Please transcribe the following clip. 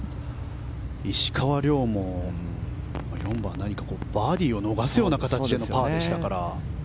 石川遼も４番、バーディーを逃す形でのパーでしたから。